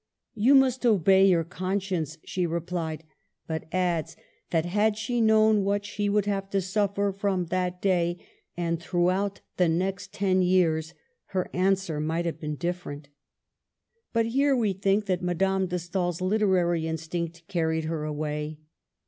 " You must obey your conscience," she replied ; but adds that, had she known what she would have to suffer from that day, and throughout the next ten years, her answer might have been different. But here we think that Madame de Stael's literary instinct carried her away.